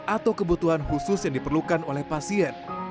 atau kebutuhan khusus yang diperlukan oleh pasien